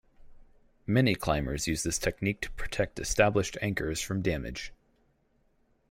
Many climbers use this technique to protect established anchors from damage.